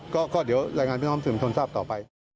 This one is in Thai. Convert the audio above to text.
ก็เดี๋ยวรายงานพี่น้องสื่อมชนทราบต่อไป